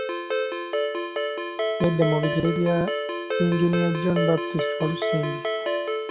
Yadda mu bigere bya Yinginiya John Baptist Walusimbi.